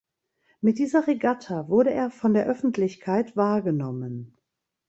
Mit dieser Regatta wurde er von der Öffentlichkeit wahrgenommen.